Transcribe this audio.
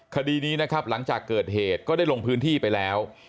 คดีนี้นะครับหลังจากเกิดเหตุก็ได้ลงพื้นที่ไปแล้ว